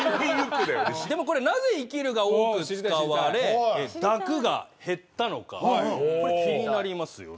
でもこれなぜ「生きる」が多く使われ「抱く」が減ったのかこれ気になりますよね。